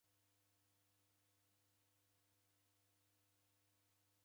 Mndu waro tiki ni ani?